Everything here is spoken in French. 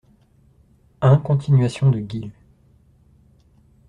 un Continuation de Guill.